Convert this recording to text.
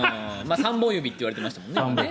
３本指と言われてましたもんね。